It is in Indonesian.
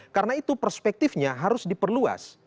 karena itu perspektifnya harus diperluas